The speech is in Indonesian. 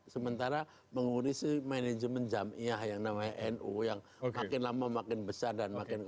sementara mengurusi manajemen jamiah yang namanya nu yang makin lama makin besar dan makin kuat